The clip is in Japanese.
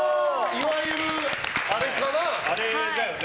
いわゆるあれかな。